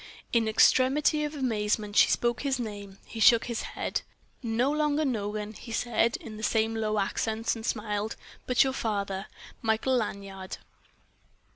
In extremity of amazement she spoke his name. He shook his head. "No longer Nogam," he said in the same low accents, and smiled—"but your father, Michael Lanyard!"